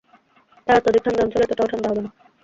তাই অত্যধিক ঠান্ডা অঞ্চল এতটাও ঠান্ডা হবে না।